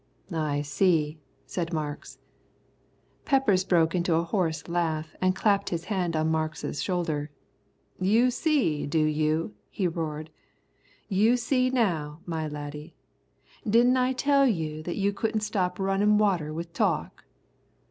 "I see," said Marks. Peppers broke into a hoarse laugh and clapped his hand on Marks's shoulder. "You see, do you?" he roared; "you see now, my laddie. Didn't I tell you that you couldn't stop runnin' water with talk?"